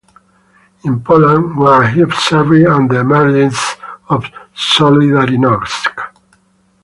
In Poland where he observed and the emergence of Solidarnosc.